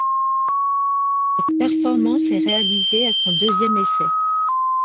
Cette performance est réalisée à son deuxième essai.